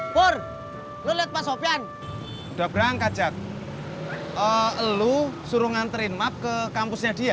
pur lo liat pak sopian udah berangkat jak eh lo suruh nganterin maaf ke kampusnya dia